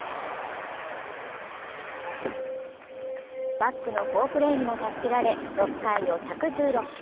バックの好プレーにも助けられ、６回を１１６球。